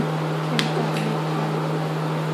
เข็มกลัดเน็คไท